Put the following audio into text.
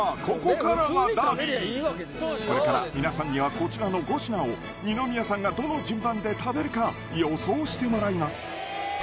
ここからがダービーこれから皆さんにはこちらの５品を二宮さんがどの順番で食べるか予想してもらいます